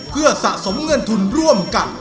เพื่อสะสมเงินทุนร่วมกัน